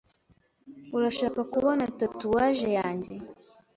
Urashaka kubona tatouage yanjye?